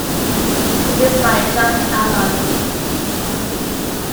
Produced by John Ammonds.